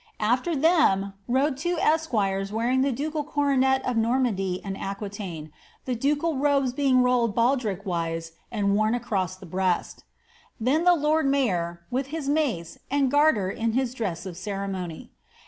^After them lode two esquires wearing the ducal coronet of Normandy and Aquitaine, the ducal robes being rolled baldric wise and worn across the breast. Then the lord mayor, with his mace and Grarter in his dress of ceremony.